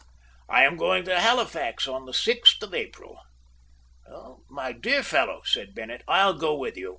"I am going to Halifax on the 6th of April." "My dear fellow," said Bennett, "I'll go with you.